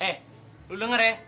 eh lu denger ya